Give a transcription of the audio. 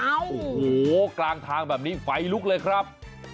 โอ้โหกลางทางแบบนี้ไฟลุกเลยครับ